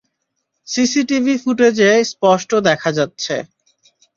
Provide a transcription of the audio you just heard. CCTV ফুটেজে স্পষ্ট দেখা যাচ্ছে।